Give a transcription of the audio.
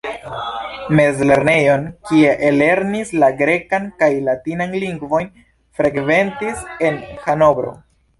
Mezlernejon, kie ellernis la grekan kaj latinan lingvojn, frekventis en Hanovro.